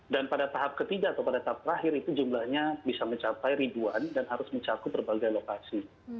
dan pada tahap ketiga atau pada tahap terakhir itu jumlahnya bisa mencapai ribuan dan harus mencakup berbagai lokasi